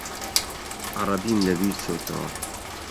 عەرەبیم لەبیر چۆتەوە.